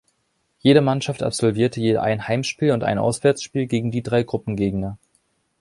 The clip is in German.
Jede Mannschaft absolvierte je ein Heimspiel und ein Auswärtsspiel gegen die drei Gruppengegner.